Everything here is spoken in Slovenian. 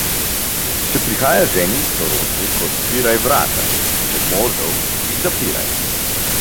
Če prihaja ženin sorodnik, odpiraj vrata, če možev, jih zapiraj.